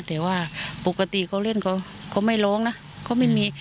แต่ว่าปกติเขาเล่นเขาเขาไม่ร้องนะเขาไม่มี